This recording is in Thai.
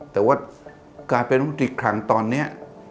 แต่ว่าการเป็นธุรกิจครั้งตอนนี้